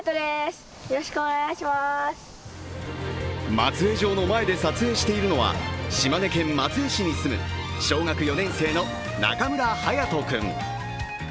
松江城の前で撮影しているのは、島根県松江市に住む小学４年生の中村勇斗君。